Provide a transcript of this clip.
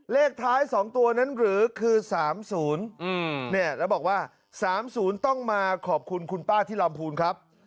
เลขท้าย๒ตัวนั้นหรือคือ๓๐แล้วบอกว่า๓๐ต้องมาขอบคุณคุณป้าที่ลำพูนครับ